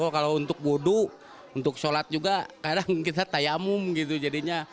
kalau untuk wudhu untuk sholat juga kadang kita tayamum gitu jadinya